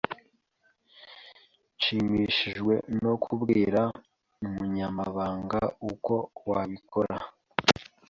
Nshimishijwe no kubwira umunyamabanga uko wabikora.